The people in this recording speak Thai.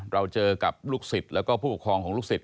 เราเจอกับลูกศิษย์แล้วก็ผู้ปกครองของลูกศิษย